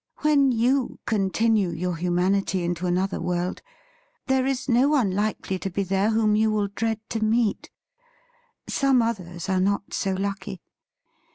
When you continue your humanity into another world, there is no One likely to be there whom you will dread to meet. Some others are not so lucky.